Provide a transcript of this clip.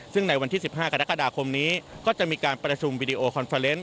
ซึ่งในวันที่๑๕กรกฎาคมนี้ก็จะมีการประชุมวิดีโอคอนเฟอร์เนนต